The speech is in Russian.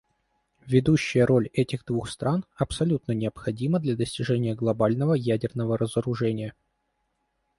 Ведущая роль этих двух стран абсолютно необходима для достижения глобального ядерного разоружения.